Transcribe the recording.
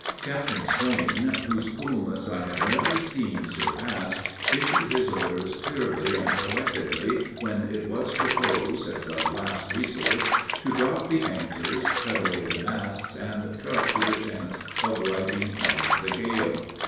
Captain Swaine, whose coolness I have never seen surpassed, issued his orders clearly and collectedly, when it was proposed, as a last resource, to drop the anchors, cut away the masts, and trust to the chance of riding out the gale.